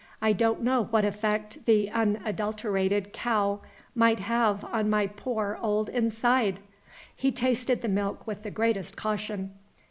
I don't know what effect the unadulterated cow might have on my poor old inside." He tasted the milk with the greatest caution.